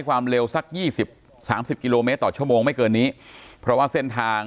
ความเร็วสักยี่สิบสามสิบกิโลเมตรต่อชั่วโมงไม่เกินนี้เพราะว่าเส้นทาง